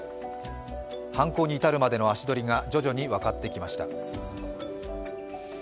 犯行に至るまでの足どりが徐々に分かってきました。